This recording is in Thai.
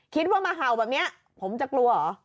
คิดว่ามาเห่าแบบนี้ผมจะกลัวเหรอ